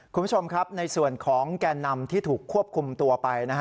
คุณผู้ชมครับในส่วนของแก่นำที่ถูกควบคุมตัวไปนะฮะ